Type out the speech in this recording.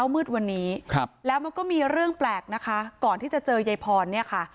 มีเรื่องแปลกนะคะก่อนที่จะเจอยายพรเนี่ยค่ะ